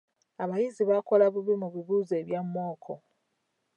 Abayizi baakola bubi mu bibuuzo ebya mmooko.